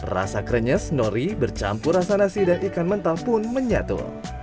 rasa krenyes nori bercampur rasa nasi dan ikan mentah pun menyatu